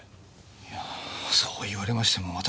いやそう言われましても私には。